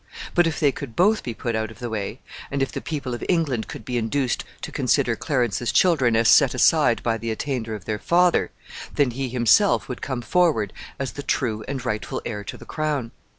But if they could both be put out of the way, and if the people of England could be induced to consider Clarence's children as set aside by the attainder of their father, then he himself would come forward as the true and rightful heir to the crown.